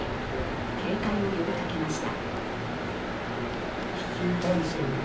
警戒を呼びかけました。